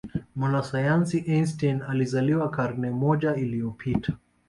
mwanasayansi einstein alizaliwa karne moja iliyopita